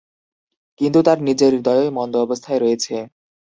কিন্তু, তার নিজের হৃদয়ই মন্দ অবস্থায় রয়েছে।